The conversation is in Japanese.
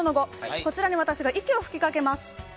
こちらに私が息を吹きかけます。